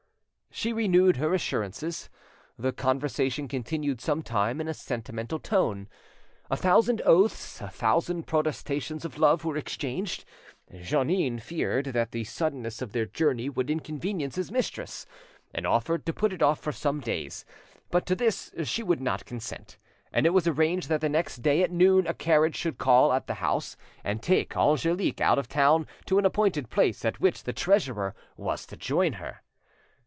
She renewed her assurances. The conversation continued some time in a sentimental tone. A thousand oaths, a thousand protestations of love were, exchanged. Jeannin feared that the suddenness of their journey would inconvenience his mistress, and offered to put it off for some days; but to this she would not consent, and it was arranged that the next day at noon a carriage should call at the house and take Angelique out of town to an appointed place at which the treasurer was to join her.